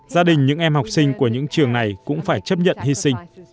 gia đình những em học sinh của những trường này cũng phải chấp nhận hy sinh